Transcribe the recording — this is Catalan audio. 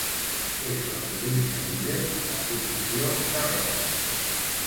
És la província líder en la producció d'arròs.